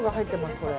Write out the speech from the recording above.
これ。